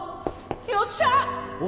よっしゃ！